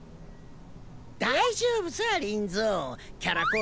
大丈夫さリンゾー。